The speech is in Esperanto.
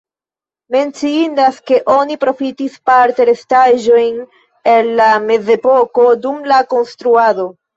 Menciindas, ke oni profitis parte restaĵojn el la mezepoko dum la konstruado.